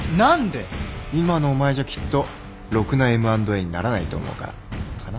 今のお前じゃきっとろくなＭ＆Ａにならないと思うからかな。